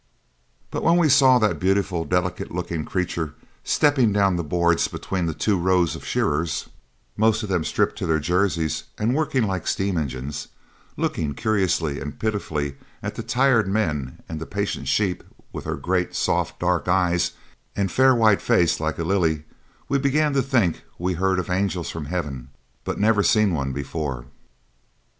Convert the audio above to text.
But when we saw that beautiful, delicate looking creature stepping down the boards between the two rows of shearers, most of them stripped to their jerseys and working like steam engines, looking curiously and pitifully at the tired men and the patient sheep, with her great, soft, dark eyes and fair white face like a lily, we began to think we'd heard of angels from heaven, but never seen one before.